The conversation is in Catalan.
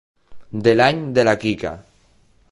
De l'any de la Quica.